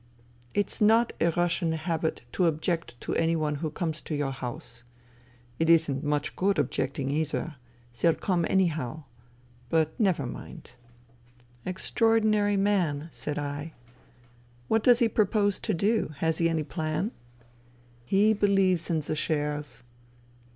It's not a Russian habit to object to any one who comes to your house. It isn't much good objecting either. They'll come anyhow. But never mind." Extraordinary man," said I. " What does he propose to do ? Has he any plan ?"" He believes in the shares."